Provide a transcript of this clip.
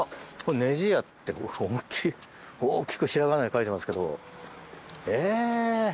「ねじや」と思い切り、大きくひらがなで書いていますけど。